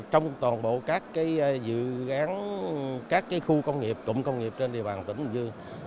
trong toàn bộ các dự án các khu công nghiệp cụm công nghiệp trên địa bàn tỉnh bình dương